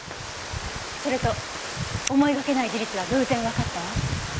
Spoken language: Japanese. それと思いがけない事実が偶然わかったわ。